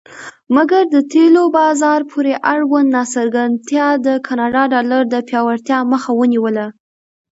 مګر د تیلو بازار پورې اړوند ناڅرګندتیا د کاناډا ډالر د پیاوړتیا مخه ونیوله.